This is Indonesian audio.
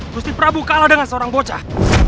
gusti prabu kalah dengan seorang bocah